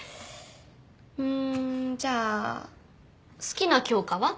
うんじゃあ好きな教科は？